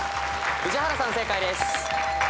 宇治原さん正解です。